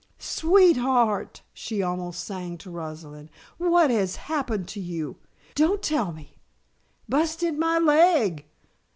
"Sweet heart!" she almost sang to Rosalind. "What has happened to you? Don't tell me " "Busted me leg!"